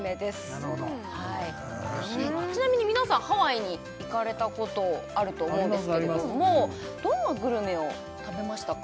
なるほどちなみに皆さんハワイに行かれたことあると思うんですけれどもどんなグルメを食べましたか？